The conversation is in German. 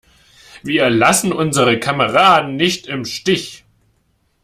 Wir lassen unsere Kameraden nicht im Stich!